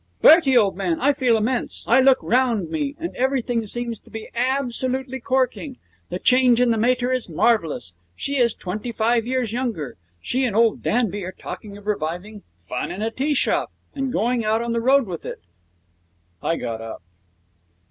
'Bertie, old man, I feel immense. I look round me, and everything seems to be absolutely corking. The change in the mater is marvellous. She is twenty five years younger. She and old Danby are talking of reviving "Fun in a Tea Shop", and going out on the road with it.' I got up.